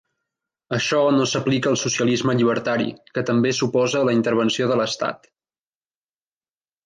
Això no s'aplica al socialisme llibertari, que també s'oposa a la intervenció de l'Estat.